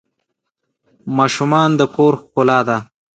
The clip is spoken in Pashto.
ماشومان د کور ښکلا ده.